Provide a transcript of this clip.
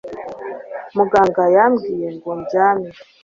Muganga yambwiye ngo ndyame